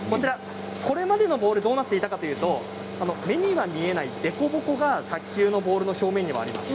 これまでのボールどうなっていたかというと目には見えない凸凹が卓球のボールの表面にあります。